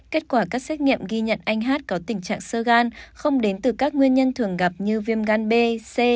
kết quả các xét nghiệm ghi nhận anh hát có tình trạng sơ gan không đến từ các nguyên nhân thường gặp như viêm gan b c